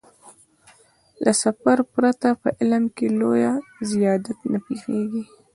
له سفر پرته په علم کې لويه زيادت نه پېښېږي.